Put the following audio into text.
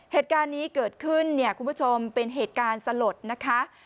เหตุการณ์นี้เกิดขึ้นเนี่ยคุณผู้ชมเป็นเหตุการณ์สลดนะคะ